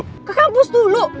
ke kampus dulu